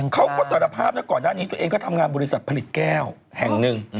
เขาก็สารภาพนะก่อนหน้านี้ตัวเองก็ทำงานบริษัทผลิตแก้วแห่งหนึ่ง